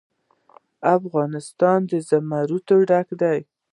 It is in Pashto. افغانستان له زمرد ډک دی.